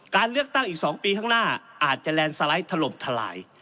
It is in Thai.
การเลือกตั้งอีก๒ปีข้างหน้าอาจจะแลนด์สไลด์ถล่มทลาย